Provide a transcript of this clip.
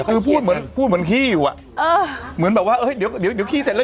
คือพูดเหมือนขี้อยู่อะเหมือนแบบว่าเดี๋ยวขี้เสร็จแล้ว